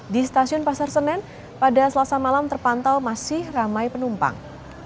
di stasiun pasar senen pada selasa malam terpantau masih ramai penumpang